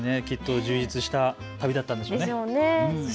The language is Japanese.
充実した旅だったんでしょうね。